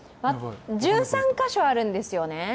１３か所あるんですよね。